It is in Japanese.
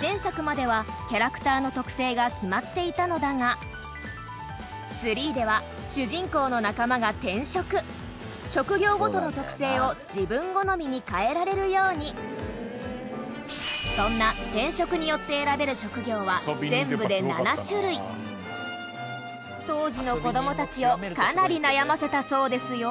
前作までは、キャラクターの特性が決まっていたのだが『Ⅲ』では主人公の仲間が転職職業ごとの特性を自分好みに変えられるようにそんな、転職によって選べる職業は全部で７種類当時の子どもたちをかなり悩ませたそうですよ